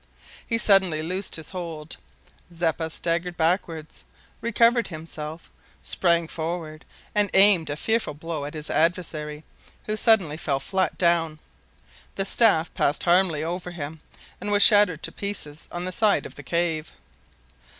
He suddenly loosed his hold. Zeppa staggered backward, recovered himself, sprang forward, and aimed a fearful blow at his adversary, who suddenly fell flat down. The staff passed harmlessly over him and was shattered to pieces on the side of the cave.